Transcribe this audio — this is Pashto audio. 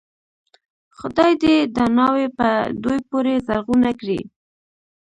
خدای دې دا ناوې په دوی پورې زرغونه کړي.